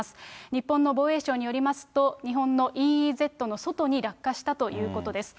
日本の防衛省によりますと、日本のＥＥＺの外に落下したということです。